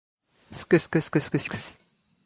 skskksksksks